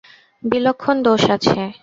বিলক্ষণ দোষ আছে!